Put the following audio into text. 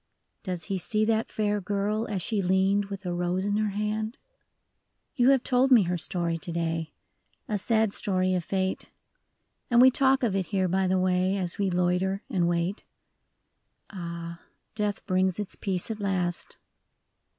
Does he see that fair girl as she leaned With a rose in her hand ? 114 IN MOUNT AUBURN. You have told me her story to day; A sad story of fate ; And we talk of it here by the way, As we loiter and wait. Ah, death brings its peace at the last